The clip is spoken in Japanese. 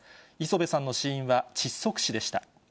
礒辺さんの死因は窒息死でした。